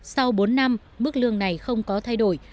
sau bốn năm mức lương này không có thay đổi